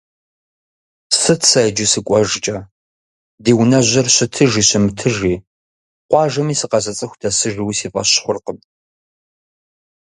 Сыт сэ иджы сыкӏуэжкӏэ, ди унэжьыр щытыжи щымытыжи, къуажэми сыкъэзыцӏыху дэсыжууи сифӏэщ хъуркъым.